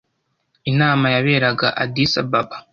Inama yaberaga Addis Ababa